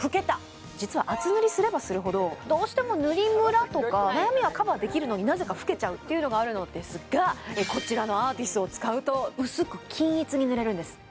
実は厚塗りすればするほどどうしても塗りムラとか悩みはカバーできるのになぜか老けちゃうっていうのがあるのですがこちらのアーティスを使うと薄く均一に塗れるんです